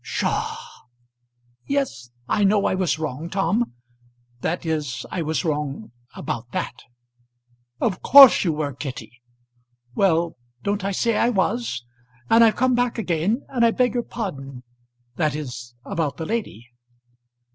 "Psha!" "Yes; I know I was wrong, Tom. That is I was wrong about that." "Of course you were, Kitty." "Well; don't I say I was? And I've come back again, and I beg your pardon; that is about the lady."